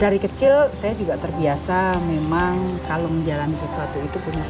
dari kecil saya juga terbiasa memang kalau menjalani sesuatu itu punya